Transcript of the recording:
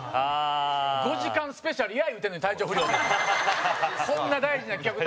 ５時間スペシャルやいうてるのに、体調不良で。